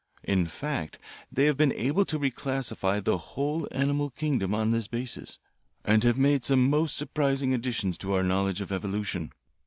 "In fact, they have been able to reclassify the whole animal kingdom on this basis, and have made some most surprising additions to our knowledge of evolution.